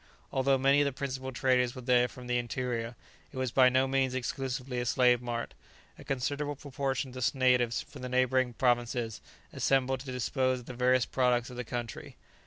Although many of the principal traders were there from the interior, it was by no means exclusively a slave mart; a considerable proportion of the natives from the neighbouring provinces assembled to dispose of the various products of the country.